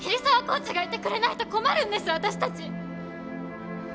コーチがいてくれないと困るんです私たち！